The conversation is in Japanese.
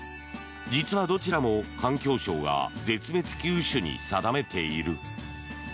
実は、どちらも環境省が絶滅危惧種に定めている。